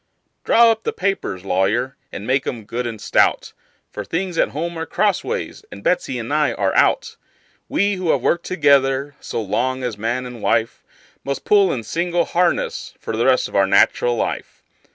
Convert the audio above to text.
Draw up the papers, lawyer, and make 'em good and stout; For things at home are crossways, and Betsey and I are out. We, who have worked together so long as man and wife, Must pull in single harness for the rest of our nat'ral life.